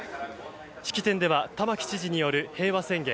式典では玉城知事による平和宣言